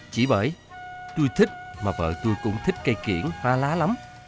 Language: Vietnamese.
chỉ bởi tôi thích mà vợ tôi cũng thích cây kiển hoa lá lắm